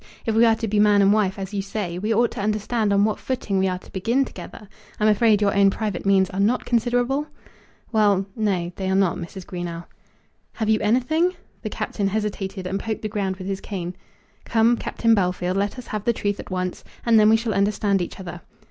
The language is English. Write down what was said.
If we are to be man and wife, as you say, we ought to understand on what footing we are to begin together. I'm afraid your own private means are not considerable?" "Well, no; they are not, Mrs. Greenow." "Have you anything?" The Captain hesitated, and poked the ground with his cane. "Come, Captain Bellfield, let us have the truth at once, and then we shall understand each other."